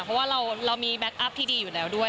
เพราะว่าเรามีแบ็คอัพที่ดีอยู่แล้วด้วย